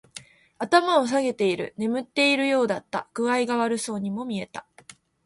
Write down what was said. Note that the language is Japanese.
頭を下げている。眠っているようだった。具合が悪そうにも見えた。